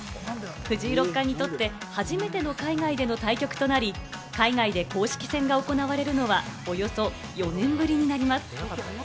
藤井六冠にとって初めての海外での対局となり、海外で公式戦が行われるのはおよそ４年ぶりになります。